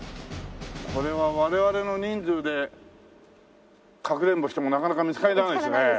これは我々の人数でかくれんぼしてもなかなか見つからないですね。